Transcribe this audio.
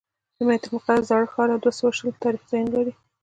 د بیت المقدس زاړه ښار دوه سوه شل تاریخي ځایونه لري.